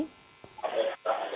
saya tidak bisa memastikan